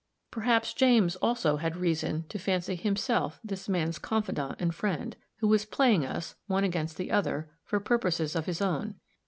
Perhaps James also had reason to fancy himself this man's confidant and friend, who was playing us, one against the other, for purposes of his own.